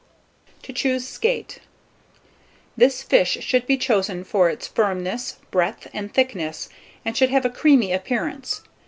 TO CHOOSE SKATE. This fish should be chosen for its firmness, breadth, and thickness, and should have a creamy appearance.